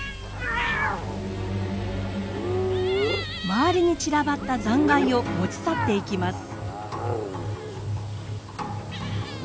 周りに散らばった残骸を持ち去っていきます。